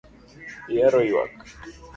Ihero ywak